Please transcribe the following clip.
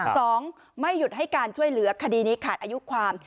สองไม่หยุดให้การช่วยเหลือคดีนี้ขาดอายุความ